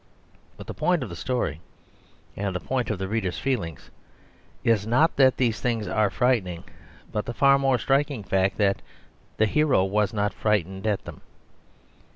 But the point of the story and the point of the reader's feelings is not that these things are frightening, but the far more striking fact that the hero was not frightened at them.